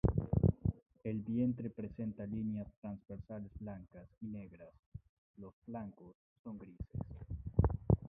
El vientre presenta líneas transversales blancas y negras, los flancos son grises.